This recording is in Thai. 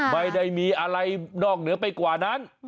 ไม่ได้มีอะไรนอกเหนือไปกว่านั้น